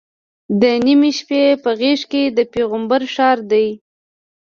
د نیمې شپې په غېږ کې د پیغمبر ښار دی.